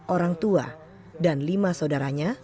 orang tua dan lima saudaranya